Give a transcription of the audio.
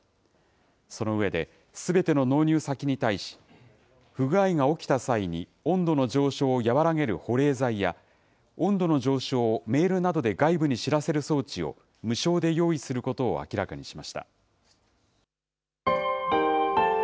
その上で、すべての納入先に対し、不具合が起きた際に温度の上昇を和らげる保冷剤や、温度の上昇をメールなどで外部に知らせる装置を無償で用意することを明らかにしました。